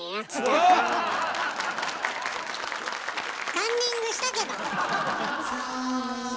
カンニングしたけど！